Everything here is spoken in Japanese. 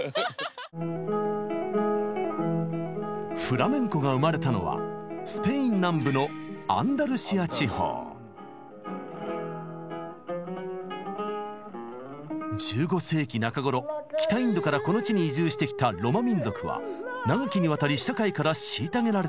フラメンコが生まれたのはスペイン南部の１５世紀中ごろ北インドからこの地に移住してきたロマ民族は長きにわたり社会から虐げられてきました。